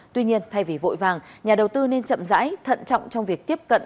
tuy nhiên thay vì vội vàng nhà đầu tư nên chậm rãi thận trọng trong việc tiếp cận